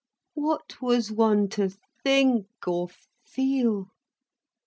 What was one to think or feel?